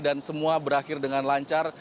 dan semua berakhir dengan lancar